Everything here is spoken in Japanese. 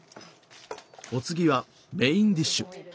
お次はメインディッシュ。